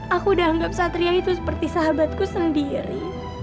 aku udah anggap satria itu seperti sahabatku sendiri